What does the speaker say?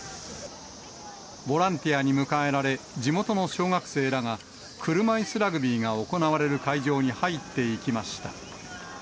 ボランティアに迎えられ、地元の小学生らが、車いすラグビーが行われる会場に入っていきました。